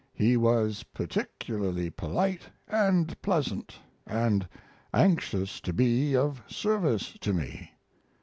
He was particularly polite, and pleasant, and anxious to be of service to me.